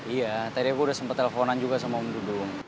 iya tadi aku udah sempat teleponan juga sama om dudung